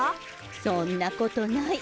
そんなことない。